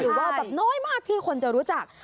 หรือว่าแบบน้อยมากที่คนจะรู้จัก